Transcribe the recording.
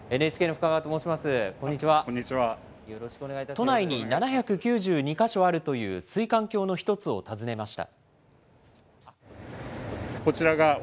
都内に７９２か所あるという水管橋の一つを訪ねました。